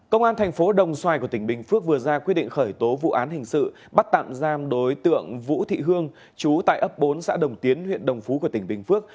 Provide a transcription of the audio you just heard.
công an thành phố đồng xoài của tỉnh bình phước vừa ra quyết định khởi tố vụ án hình sự bắt tạm giam đối tượng vũ thị hương chú tại ấp bốn xã đồng tiến huyện đồng phú của tỉnh bình phước